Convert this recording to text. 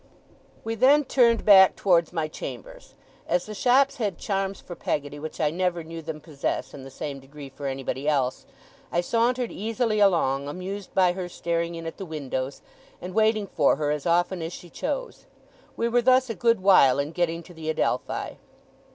We then turned back towards my chambers. As the shops had charms for Peggotty which I never knew them possess in the same degree for anybody else, I sauntered easily along, amused by her staring in at the windows, and waiting for her as often as she chose. We were thus a good while in getting to the Adelphi.